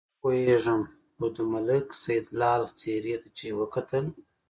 نه پوهېږم خو د ملک سیدلال څېرې ته چې وکتل.